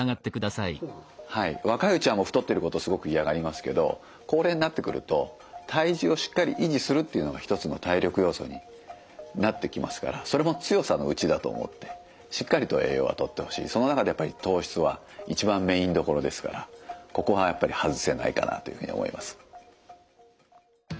若いうちはもう太ってることをすごく嫌がりますけど高齢になってくると体重をしっかり維持するっていうのが一つの体力要素になってきますからそれも強さのうちだと思ってしっかりと栄養はとってほしいその中でやっぱり糖質は一番メインどころですからここはやっぱり外せないかなというふうに思います。